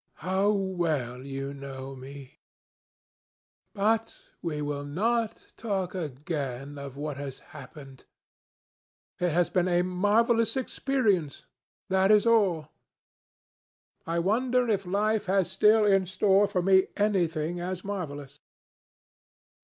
How well you know me! But we will not talk again of what has happened. It has been a marvellous experience. That is all. I wonder if life has still in store for me anything as marvellous."